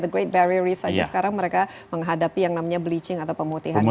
the great barrier reef saja sekarang mereka menghadapi yang namanya bleaching atau pemutihan karang